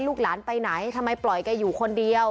ลูกหลานไปไหนทำไมปล่อยแกอยู่คนเดียว